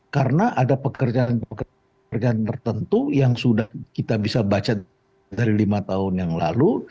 karena ada pekerjaan tertentu yang sudah kita bisa baca dari lima tahun yang lalu